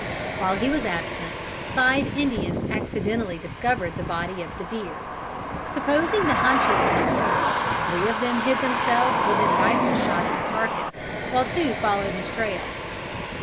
While he was absent, five Indians accidentally discovered the body of the deer. Supposing the hunter would return, three of them hid themselves within rifle shot of the carcass while two followed his trail.